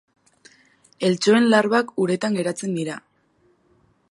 Eltxoen larbak uretan garatzen dira.